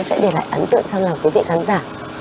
sẽ để lại ấn tượng trong lòng quý vị khán giả